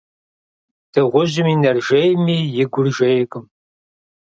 Дыгъужьым и нэр жейми, и гур жейкъым.